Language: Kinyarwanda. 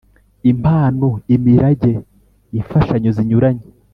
Impano imirage imfashanyo zinyuranye